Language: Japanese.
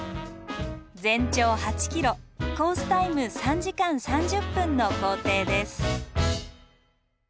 全長８ｋｍコースタイム３時間３０分の行程です。